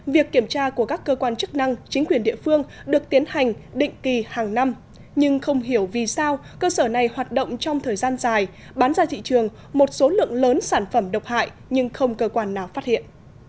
việc kiểm tra của các cơ quan chức năng chính quyền địa phương được tiến hành định kỳ hàng năm nhưng không hiểu vì sao cơ sở này hoạt động trong thời gian dài bán ra thị trường một số lượng lớn sản phẩm độc hại nhưng không cơ quan nào phát hiện